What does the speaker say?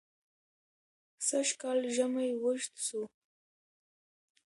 سژ کال ژمى وژد سو